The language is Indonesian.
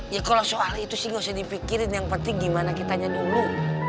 ya kalau soal itu sih nggak usah dipikirin yang penting gimana kitanya dulu